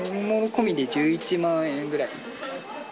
込みで１１万円ぐらい。